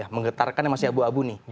menggetarkan emosi abu abu nih